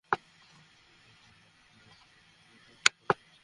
অথচ বাংলাদেশ ব্যাংকের পরিদর্শন প্রতিবেদনে অর্থ আত্মসাতের জন্য বাচ্চুকে দায়ী করা হয়েছে।